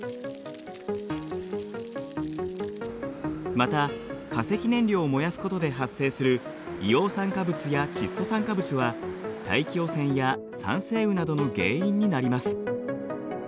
また化石燃料を燃やすことで発生する硫黄酸化物や窒素酸化物は大気汚染や酸性雨などの原因になります。